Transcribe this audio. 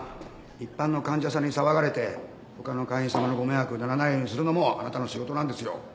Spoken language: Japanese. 一般の患者さんに騒がれて他の会員様のご迷惑にならないようにするのもあなたの仕事なんですよ。